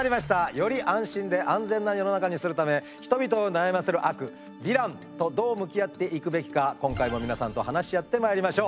より安心で安全な世の中にするため人々を悩ませる悪ヴィランとどう向き合っていくべきか今回も皆さんと話し合ってまいりましょう。